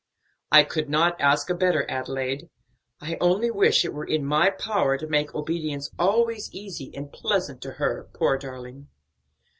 "I could not ask a better, Adelaide. I only wish it were in my power to make obedience always easy and pleasant to her, poor darling."